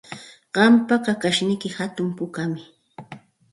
Qampa kakashniyki hatun pukami.